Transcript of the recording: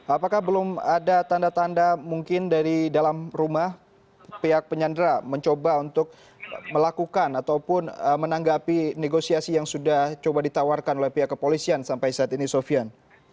apakah belum ada tanda tanda mungkin dari dalam rumah pihak penyandera mencoba untuk melakukan ataupun menanggapi negosiasi yang sudah coba ditawarkan oleh pihak kepolisian sampai saat ini sofian